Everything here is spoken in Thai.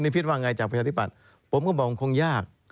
ผมก็บอกว่าคงยาก